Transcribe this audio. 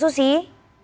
selamat sore ibu susi